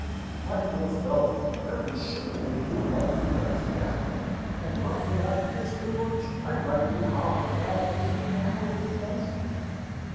My poor fellow! every shilling of your money went to them, and but for my peer's privilege I might be hob and nob with you now in your dungeon.